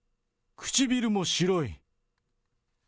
唇も白い。